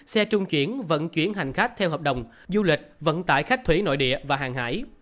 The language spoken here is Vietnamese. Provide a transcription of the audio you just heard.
xe trung chuyển vận chuyển hành khách theo hợp đồng du lịch vận tải khách thủy nội địa và hàng hải